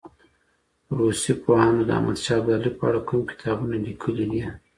روسي پوهانو د احمد شاه ابدالي په اړه کوم کتابونه لیکلي دي؟